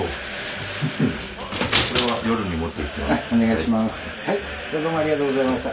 はいお願いします。